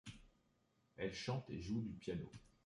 Elle chante et joue du piano.